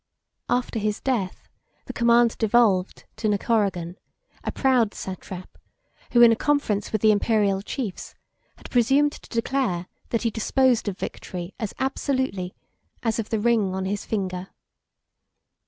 After his death, the command devolved to Nacoragan, a proud satrap, who, in a conference with the Imperial chiefs, had presumed to declare that he disposed of victory as absolutely as of the ring on his finger.